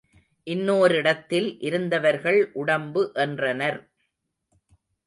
இன்னோரிடத்தில் இருந்தவர்கள் உடம்பு என்றனர்.